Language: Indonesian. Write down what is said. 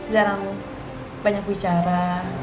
jarang banyak bicara